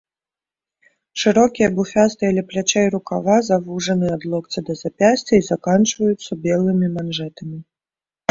Шырокія буфястыя ля плячэй рукавы завужаны ад локця да запясця і заканчваюцца белымі манжэтамі.